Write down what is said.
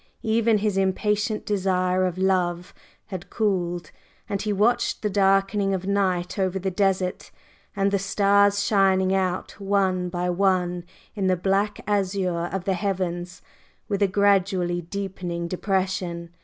Even his impatient desire of love had cooled, and he watched the darkening of night over the desert, and the stars shining out one by one in the black azure of the heavens, with a gradually deepening depression.